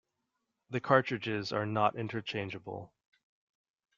The cartridges are not interchangeable.